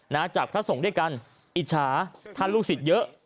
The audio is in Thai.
จากพระสงฆ์ด้วยกันอิจฉาท่านลูกศิษย์เยอะ